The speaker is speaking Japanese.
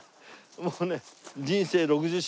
もうね。